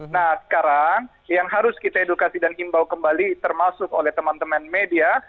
nah sekarang yang harus kita edukasi dan himbau kembali termasuk oleh teman teman media